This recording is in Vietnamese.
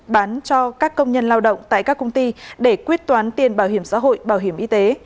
bán cho các công nhân lao động tại các công ty để quyết toán tiền bảo hiểm xã hội bảo hiểm y tế